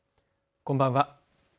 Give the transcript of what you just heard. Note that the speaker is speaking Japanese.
こんばんは。